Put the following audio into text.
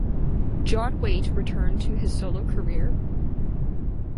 John Waite returned to his solo career.